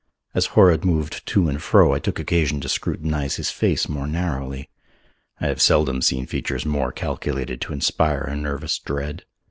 As Horrod moved to and fro I took occasion to scrutinize his face more narrowly. I have seldom seen features more calculated to inspire a nervous dread.